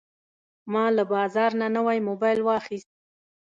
ما له بازار نه نوی موبایل واخیست.